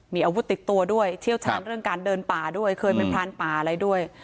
มีอาวุธติดตัวด้วยเชี่ยวชาญเรื่องการเดินป่าด้วยเคยเป็นพรานป่าอะไรด้วย